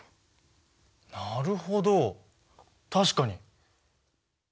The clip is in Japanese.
なるほど確かに。